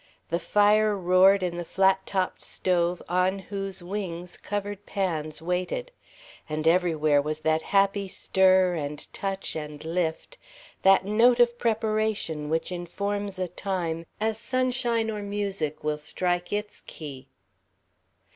The fire roared in the flat topped stove on whose "wings" covered pans waited, and everywhere was that happy stir and touch and lift, that note of preparation which informs a time as sunshine or music will strike its key.